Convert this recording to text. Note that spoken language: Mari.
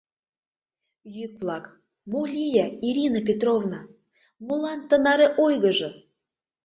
Йӱк-влак: «Мо лие, Ирина Петровна?» «Молан тынаре ойгыжо?»